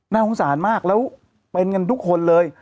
สงสารมากแล้วเป็นกันทุกคนเลย